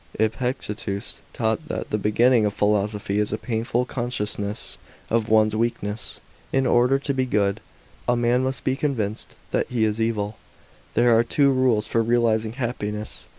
Epictetus taught that the beginning of philosophy is a painful consciousness of one's weakness. In order to b^ good, a man must be convinced that he is evil. There are two rules for realizing happiness.